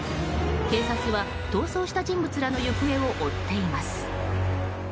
警察は逃走した人物らの行方を追っています。